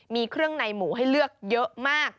มีเครื่องในหมูให้เลือกเยอะมาก